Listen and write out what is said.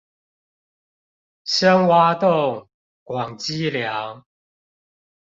深挖洞，廣積糧